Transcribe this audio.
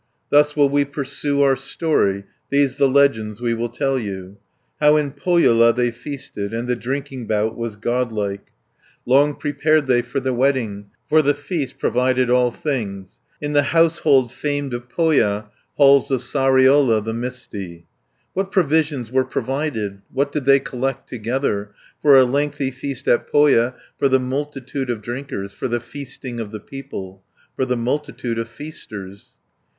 Thus will we pursue our story; These the legends we will tell you; How in Pohjola they feasted, And the drinking bout was Godlike. Long prepared they for the wedding, For the feast provided all things, In the household famed of Pohja, Halls of Sariola the misty. 10 What provisions were provided, What did they collect together, For a lengthy feast at Pohja, For the multitude of drinkers, For the feasting of the people, For the multitude of feasters?